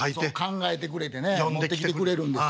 考えてくれてね持ってきてくれるんですよ。